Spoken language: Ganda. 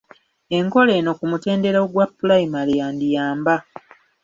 Enkola eno ku mutendera ogwa pulayimale yandiyamba.